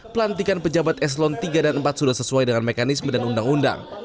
pelantikan pejabat eselon tiga dan empat sudah sesuai dengan mekanisme dan undang undang